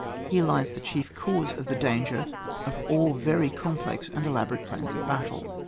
Here lies the chief cause of the danger of all very complex and elabo rate plans of battles.